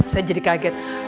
saya jadi kaget